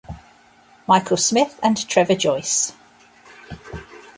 Michael Smith and Trevor Joyce.